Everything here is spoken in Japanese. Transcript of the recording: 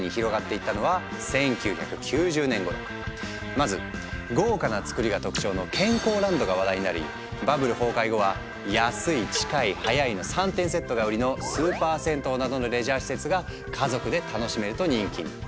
まず豪華な造りが特徴の健康ランドが話題になりバブル崩壊後は「安い近い早い」の３点セットが売りの「スーパー銭湯」などのレジャー施設が家族で楽しめると人気に。